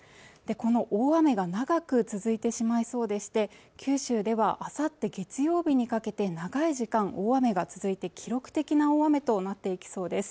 この大雨が長く続いてしまいそうでして九州ではあさって月曜日にかけて長い時間大雨が続いて記録的な大雨となっていきそうです